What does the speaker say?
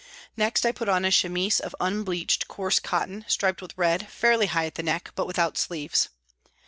Next I put on a chemise of unbleached, coarse cotton, striped with red, fairly high at the neck, but without sleeves.